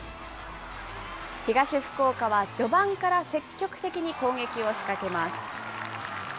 東福岡は序盤から積極的に攻撃を仕掛けます。